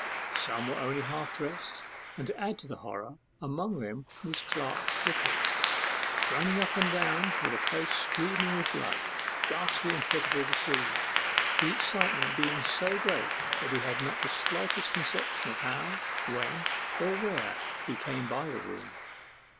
Some were only half dressed, and, to add to the horror, among them was Clerk Crickett, running up and down with a face streaming with blood, ghastly and pitiful to see, his excitement being so great that he had not the slightest conception of how, when, or where he came by the wound.